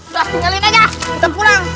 dah jalin aja kita pulang